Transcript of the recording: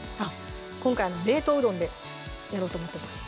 今回冷凍うどんでやろうと思ってます